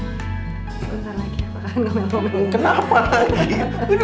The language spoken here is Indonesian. sebentar lagi aku akan ngomelin kamu ya